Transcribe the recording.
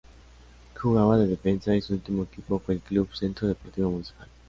Jugaba de defensa y su último equipo fue el Club Centro Deportivo Municipal.